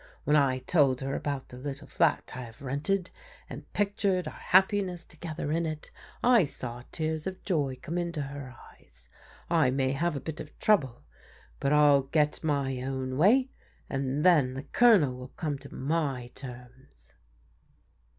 When I told her about the little flat I have rented, and pictured our hap piness together in it, I saw tears of joy come into her eyes. I may have a bit of trouble, but I'll get my own way, and then the Colonel will come to my terms."